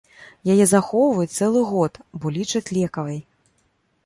Яе захоўваюць цэлы год, бо лічаць лекавай.